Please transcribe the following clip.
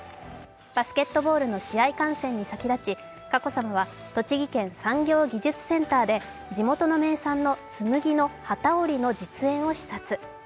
バスケットボールの試合観戦に先立ち、佳子さまは栃木県産業技術センターで地元の名産の紬の機織りの実演を視察。